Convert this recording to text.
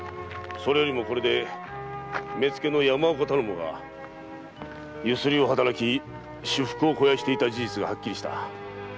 これで目付の山岡が強請を働き私腹を肥やしていた事実がはっきりした。